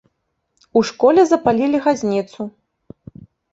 У школе запалілі газніцу.